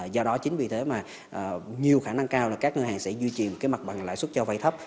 do đó chính vì thế mà nhiều khả năng cao là các ngân hàng sẽ duy trì một mặt bằng lãi suất cho vay thấp